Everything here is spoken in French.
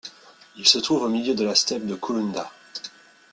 Il se trouve au milieu de la steppe de Koulounda.